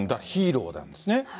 ヒーローなんですね。